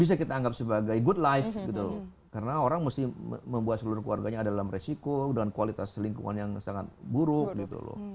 bisa kita anggap sebagai good life gitu karena orang mesti membuat seluruh keluarganya ada dalam resiko dengan kualitas lingkungan yang sangat buruk gitu loh